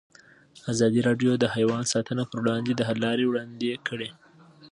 ازادي راډیو د حیوان ساتنه پر وړاندې د حل لارې وړاندې کړي.